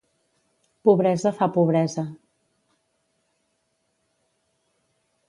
Pobresa fa pobresa.